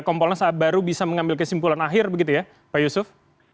kompolnas baru bisa mengambil kesimpulan akhir begitu ya pak yusuf